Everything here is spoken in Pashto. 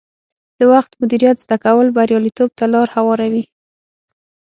د وخت مدیریت زده کول بریالیتوب ته لار هواروي.